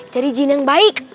cari jin yang baik